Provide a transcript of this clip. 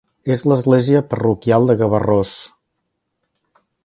És l'església parroquial de Gavarrós.